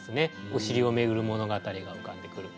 「おしり」をめぐる物語が浮かんでくる。